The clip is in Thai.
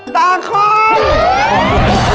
ตาคม